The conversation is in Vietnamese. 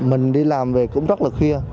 mình đi làm về cũng rất là khuya